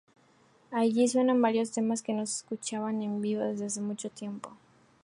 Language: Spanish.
Allí suenan varios temas que no se escuchaban en vivo desde hacía mucho tiempo.